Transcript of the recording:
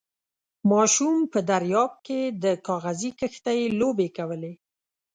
ماشوم په درياب کې د کاغذي کښتۍ لوبې کولې.